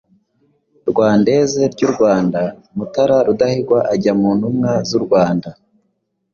Rwandaise ry’umwami Mutara Rudahigwa ajya mu ntumwa z’u Rwanda